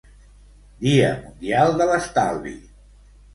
Dia mundial de l'estalvi.